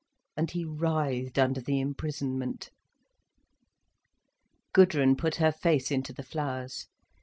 And he writhed under the imprisonment. Gudrun put her face into the flowers.